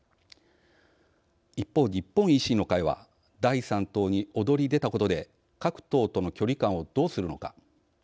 一方、日本維新の会は第３党に躍り出たことで各党との距離感をどうするのか。